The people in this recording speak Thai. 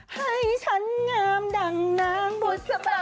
ให้ฉันงามดังนางบุษบา